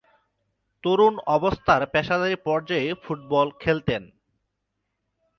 তরুণ অবস্থায় পেশাদারী পর্যায়ে ফুটবল খেলতেন।